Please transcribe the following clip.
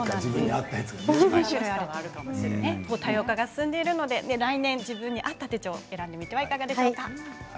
多様化が進んでいるので来年、自分に合った手帳を選んでみてはいかがでしょうか。